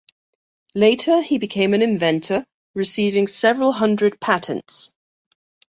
Later, he became an inventor, receiving several hundred patents.